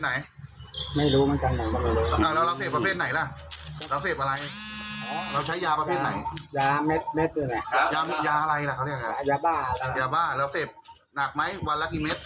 ไม่ได้ทุกวัน